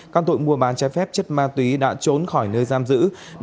các tội mua bán trái phép chất ma túy đã trốn khỏi nơi giam giữ